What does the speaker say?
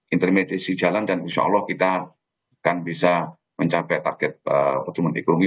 intermediasi jalan dan insya allah kita akan bisa mencapai target pertumbuhan ekonomi